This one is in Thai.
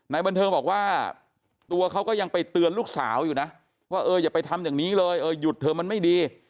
บันเทิงบอกว่าตัวเขาก็ยังไปเตือนลูกสาวอยู่นะว่าเอออย่าไปทำอย่างนี้เลยเออหยุดเถอะมันไม่ดี